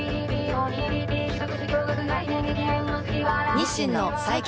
日清の最強